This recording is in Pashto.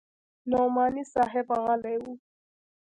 نعماني صاحب غلى و.